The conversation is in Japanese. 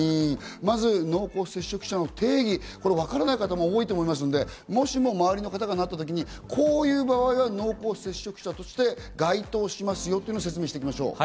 まず濃厚接触者の定義、わからない方も多いと思いますので、もしも周りの方がなった時に、こういう場合は濃厚接触者として該当しますよというのを説明します。